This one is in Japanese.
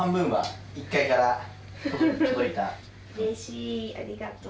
うれしいありがとう。